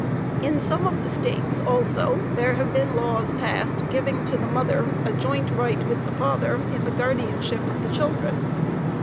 In some of the states, also, there have been laws passed giving to the mother a joint right with the father in the guardianship of the children.